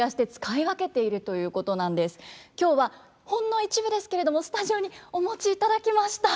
今日はほんの一部ですけれどもスタジオにお持ちいただきました。